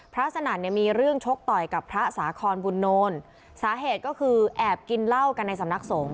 สนั่นเนี่ยมีเรื่องชกต่อยกับพระสาคอนบุญโนนสาเหตุก็คือแอบกินเหล้ากันในสำนักสงฆ